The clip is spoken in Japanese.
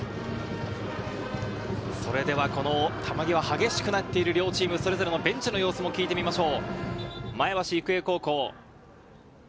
それではこの球際激しくなっている両チーム、それぞれのベンチの様子を聞いてみましょう。